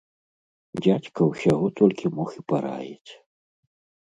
Дзядзька ўсяго толькі мог і параіць.